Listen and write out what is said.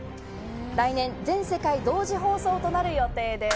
来年、全世界同時放送となる予定です。